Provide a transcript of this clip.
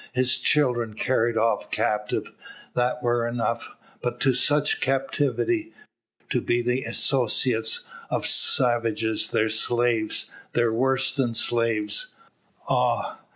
His children carried off captive, that were enough. But to such captivity! To be the associates of savages, their slaves, their worse than slaves ah!